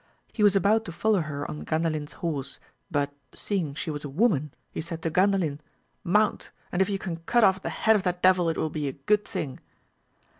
He was about to follow her on Gandalin^s horse, but seeing she was a woman, he said to Gandalin, Mount ! and if you can cut off the head of that devil it will be a good thing.